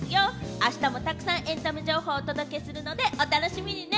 あしたもたくさんエンタメ情報をお届けするのでお楽しみにね。